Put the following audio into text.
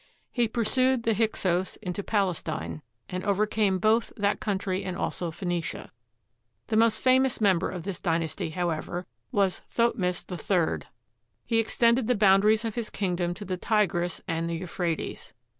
He pursued the Hyksos into Palestine and overcame both that country and also Phoenicia. The most famous member of this dynasty, how ever, was Thothmes III. He extended the boundaries of his kingdom to the Tigris and the Euphrates.